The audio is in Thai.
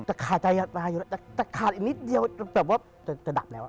จะขาดอีกนิดเดียวแบบว่าจะดับแล้ว